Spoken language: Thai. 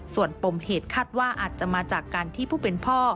ส่วนปมเหตุคาดว่าอาจจะมาจากการที่ผู้เป็นพ่อ